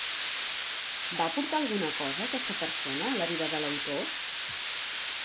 Va aportar alguna cosa aquesta persona a la vida de l'autor?